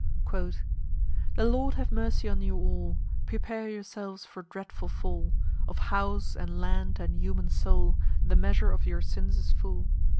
"The Lord have mercy on you all Prepare yourselves for dreadful fall Of house and land and human soul The measure of your sins is full.